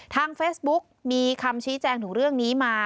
ทางเฟซบุ๊กมีคำชี้แจงถึงเรื่องนี้มา